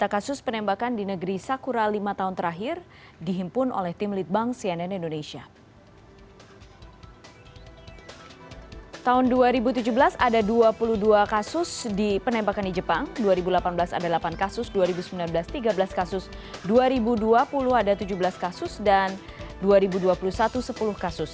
dua puluh dua kasus di penembakannya jepang dua ribu delapan belas ada delapan kasus dua ribu sembilan belas tiga belas kasus dua ribu dua puluh ada tujuh belas kasus dan dua ribu dua puluh satu sepuluh kasus